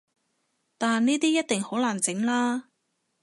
但呢啲一定好難整喇